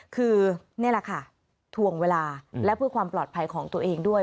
คือนี่แหละค่ะทวงเวลาและเพื่อความปลอดภัยของตัวเองด้วย